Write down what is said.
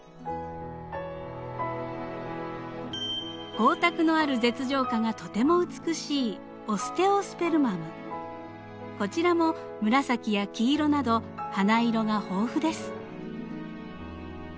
光沢のある舌状花がとても美しいこちらも紫や黄色など花色が豊富です。